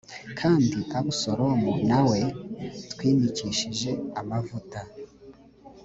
kandi abusalomu na we twimikishije amavuta